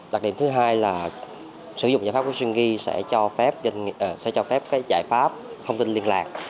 đặc điểm thứ hai là sử dụng giải pháp của stringy sẽ cho phép giải pháp thông tin liên lạc